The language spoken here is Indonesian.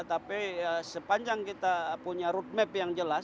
tapi sepanjang kita punya roadmap yang jelas